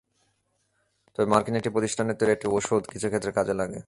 তবে মার্কিন একটি প্রতিষ্ঠানের তৈরি একটি ওষুধ কিছু ক্ষেত্রে কাজে লাগে।